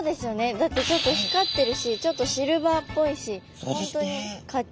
だってちょっと光ってるしちょっとシルバーっぽいし本当にかっちゅうみたい。